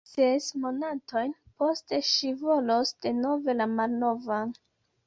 Ses monatojn poste ŝi volos denove la malnovan.